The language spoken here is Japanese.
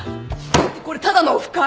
ってこれただのオフ会。